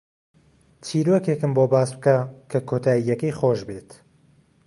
چیرۆکێکم بۆ باس بکە کە کۆتایییەکەی خۆش بێت.